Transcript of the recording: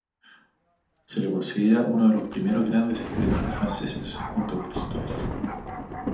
Se le considera uno de los primeros grandes historietistas franceses, junto a Christophe.